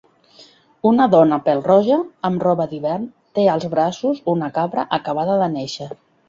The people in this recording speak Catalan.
Una dona pèl-roja amb roba d'hivern té als braços una cabra acabada de néixer.